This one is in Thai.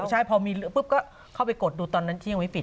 ใช่เพราะมีปุ๊บก็เข้าไปกดดูตอนนั้นที่ยังไม่ปิดอ่ะ